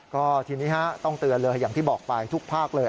ก็ทีนี้ต้องเตือนเลยอย่างที่บอกไปทุกภาคเลย